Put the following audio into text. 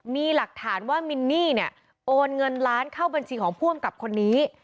มีหลักฐานว่ามินนี่เนี่ยโอนเงินล้านเข้าบัญชีของผู้อำกับคนนี้